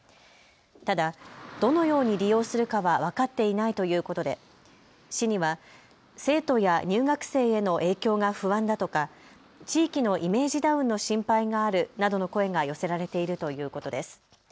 ただ、どのように利用するかは分かっていないということで市には生徒や入学生への影響が不安だとか地域のイメージダウンの心配があるなどの声が寄せられているということです。